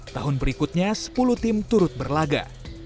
tahun berikutnya sepuluh tim turut berlaga